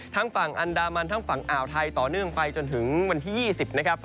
ฝั่งอันดามันทั้งฝั่งอ่าวไทยต่อเนื่องไปจนถึงวันที่๒๐นะครับ